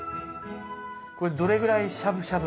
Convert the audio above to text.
これどれぐらいしゃぶしゃぶ？